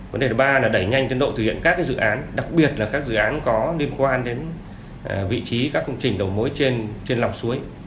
vấn đề thứ ba là đẩy nhanh tiến độ thực hiện các dự án đặc biệt là các dự án có liên quan đến vị trí các công trình đầu mối trên lọc suối